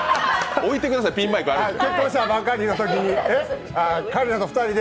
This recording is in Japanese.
置いてくださいピンマイクあるので。